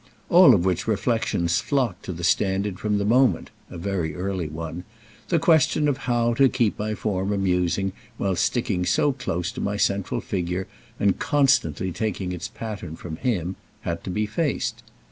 All of which reflexions flocked to the standard from the moment—a very early one—the question of how to keep my form amusing while sticking so close to my central figure and constantly taking its pattern from him had to be faced.